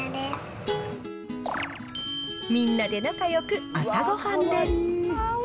みんなで仲よく朝ごはんです。